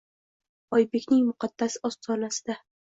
Oybekning muqaddas ostonasida